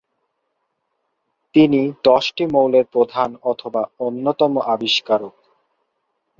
তিনি দশটি মৌলের প্রধান অথবা অন্যতম আবিষ্কারক।